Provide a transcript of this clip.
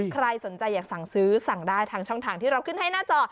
ใครสนใจอยากสั่งซื้อสั่งได้ทางช่องทางที่เราขึ้นให้หน้าจอ